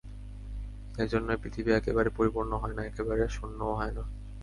এই জন্যই পৃথিবী একেবারে পরিপূর্ণ হয় না, একেবারে শূন্যও হয় না।